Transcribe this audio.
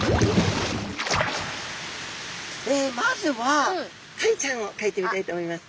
まずはタイちゃんをかいてみたいと思います。